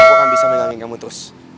aku akan bisa menangin kamu terus